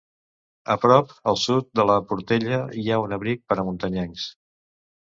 A prop al sud-est de la portella hi ha un abric per a muntanyencs.